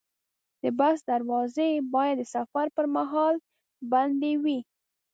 د بس دروازې باید د سفر پر مهال بندې وي.